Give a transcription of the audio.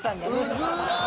うずら！